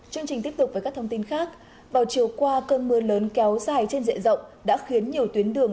chương trình tiếp tục với các thông tin khác vào chiều qua cơn mưa lớn kéo dài trên dịa rộng đã khiến nhiều tuyến đường